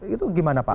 itu gimana pak